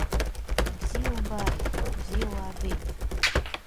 Бзиа убааит, бзиа уаабеит.